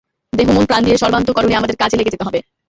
দেহ-মন-প্রাণ দিয়ে সর্বান্তঃকরণে আমাদের কাজে লেগে যেতে হবে।